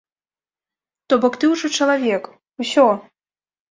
То бок ты ўжо чалавек, усё!